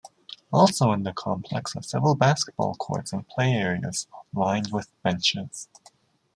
Also in the complex are several basketball courts and play areas lined with benches.